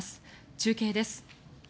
中継です。